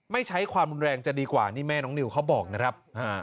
ไม่ใช้ความรุนแรงจะดีกว่านี่แม่น้องนิวเขาบอกนะครับ